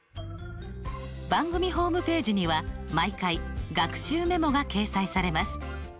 番組ホームページには毎回学習メモが掲載されます。